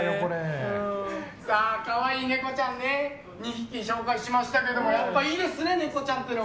可愛いネコちゃん２匹紹介しましたけどもやっぱりいいですねネコちゃんというのは。